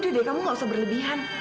jadi udah deh kamu nggak usah berlebihan